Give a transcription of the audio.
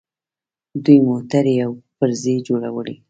دوی موټرې او پرزې جوړوي.